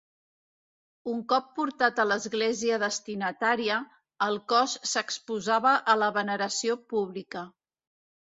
Un cop portat a l'església destinatària, el cos s'exposava a la veneració pública.